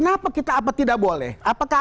nah itu bisa saja